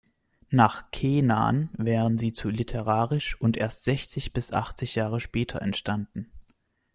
Nach Keenan wären sie zu literarisch und erst sechzig bis achtzig Jahre später entstanden.